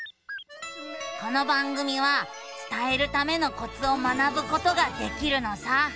この番組は伝えるためのコツを学ぶことができるのさ。